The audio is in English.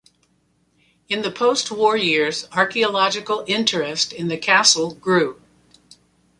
In the post-war years, archaeological interest in the castle grew.